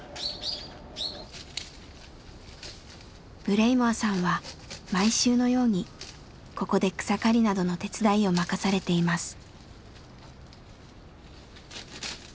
ブレイモアさんは毎週のようにここで草刈りなどの手伝いを任されています。